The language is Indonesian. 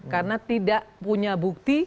karena tidak punya bukti